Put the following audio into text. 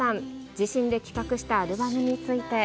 自身で企画したアルバムについて。